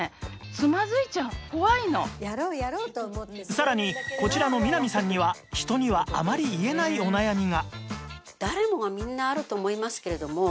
さらにこちらの南さんには人にはあまり言えないお悩みが